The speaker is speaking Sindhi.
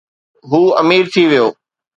هو امير ٿي ويو